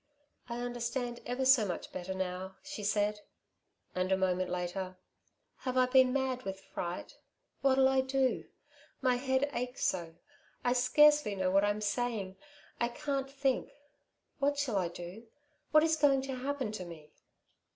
"I understand ever so much better now," she said. And a moment later: "Have I been mad with fright? What'll I do? My head aches so, I scarcely know what I am saying. I can't think. What shall I do? What is going to happen to me?"